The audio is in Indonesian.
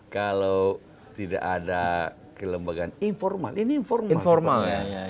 kalau tidak ada kelembagaan informal ini informal